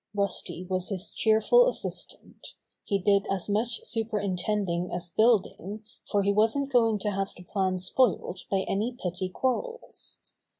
Rusty was his cheerful assistant. He did as much superintending as building, for he wasn't going to have the plan spoilt by any petty Bobby's Great Surprise 131 quarrels.